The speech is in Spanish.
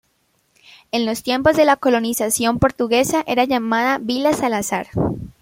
En los tiempos de la colonización portuguesa era llamada Vila Salazar.